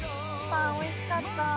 パンおいしかった。